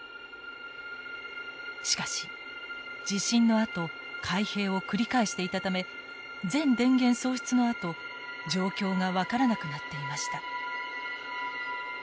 しかし地震のあと開閉を繰り返していたため全電源喪失のあと状況が分からなくなっていました。